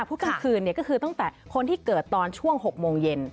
กลางคืนก็คือตั้งแต่คนที่เกิดตอนช่วง๖โมงเย็น